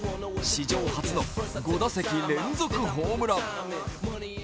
史上初の５打席連続ホームラン。